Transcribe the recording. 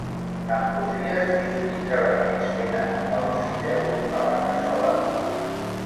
Em podries dir quins elements tenen els fideus a la cassola?